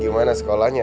kalian gimana sekolahnya